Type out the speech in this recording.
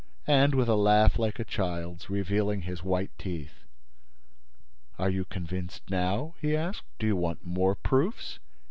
And, with a laugh like a child's, revealing his white teeth: "Are you convinced now?" he asked. "Do you want more proofs?